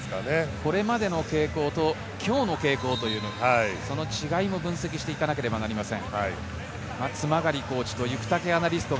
これまでの傾向と今日の傾向、その違いの分析もしていかなければなりません。